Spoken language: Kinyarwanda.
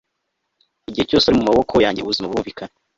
igihe cyose ari mumaboko yanjye ubuzima bwumvikana